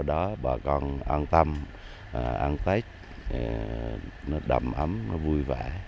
đó bà con an tâm an tích nó đậm ấm nó vui vẻ